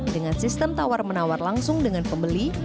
dengan sistem tawar menawar langsung dengan pembeli